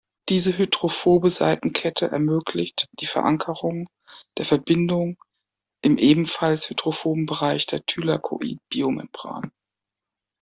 Diese hydrophobe Seitenkette ermöglicht die Verankerung der Verbindung im ebenfalls hydrophoben Bereich der Thylakoid-Biomembran.